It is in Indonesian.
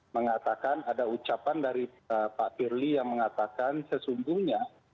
mengatakan ada ucapan dari pak firly yang mengatakan sesungguhnya